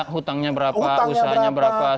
hutangnya berapa usahanya berapa